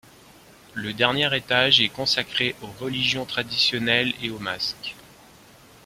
Le dernier étage est consacré aux religions traditionnelles et aux masques.